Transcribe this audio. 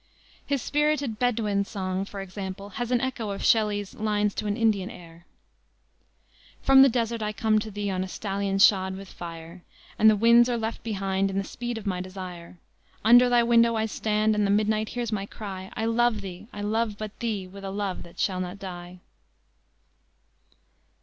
His spirited Bedouin Song, for example, has an echo of Shelley's Lines to an Indian Air: "From the desert I come to thee On a stallion shod with fire; And the winds are left behind In the speed of my desire. Under thy window I stand And the midnight hears my cry; I love thee, I love but thee With a love that shall not die."